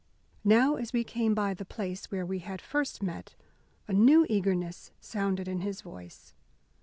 Now, as we came by the place where we had first met, a new eagerness sounded in his voice.